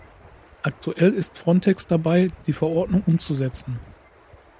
Aktuell ist Frontex dabei, die Verordnung umzusetzen.